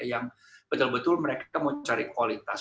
yang betul betul mereka mau cari kualitas